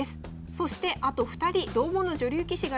そしてあと２人同門の女流棋士がいます。